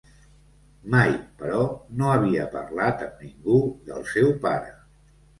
Mai, però, no havia parlat amb ningú del seu pare.